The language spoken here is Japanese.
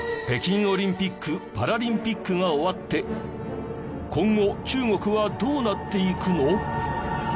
北京オリンピックパラリンピックが終わって今後中国はどうなっていくの？